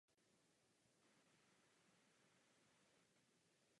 Je zapsán v seznamu kulturních památek.